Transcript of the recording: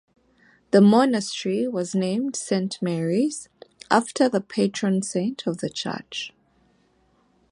The monastery was named "Saint Mary's" after the patron saint of the church.